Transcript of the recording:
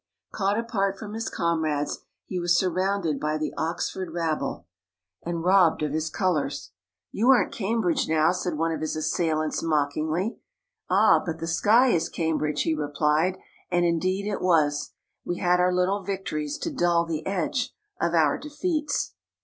Caught apart from his comrades, he was surrounded by the Oxford rabble, and 96 THE DAY BEFORE YESTERDAY robbed of his colours. " You aren't Cam bridge now," said one of his assailants, mock ingly. " Ah, but the sky is Cambridge !" he replied, and indeed it was. We had our little victories to dull the edge of our defeats.